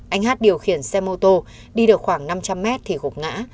anh hát điều khiển xe mô tô đi được khoảng năm trăm linh mét thì gục ngã